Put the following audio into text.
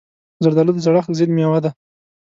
زردالو د زړښت ضد مېوه ده.